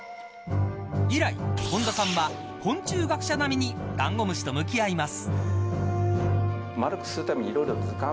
以来、誉田さんは昆虫学者並みにだんごむしと向き合います。